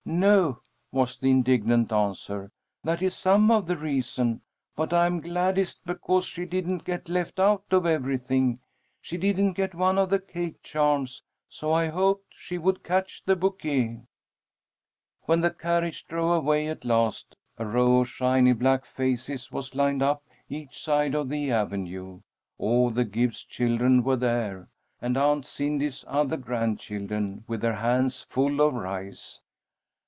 "No," was the indignant answer. "That is some of the reason, but I'm gladdest because she didn't get left out of everything. She didn't get one of the cake charms, so I hoped she would catch the bouquet." When the carriage drove away at last, a row of shiny black faces was lined up each side of the avenue. All the Gibbs children were there, and Aunt Cindy's other grandchildren, with their hands full of rice.